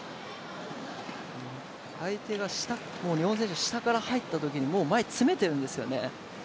両選手、下から入ったときにもう前に詰めているんですよね。